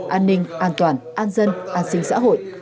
an ninh an toàn an dân an sinh xã hội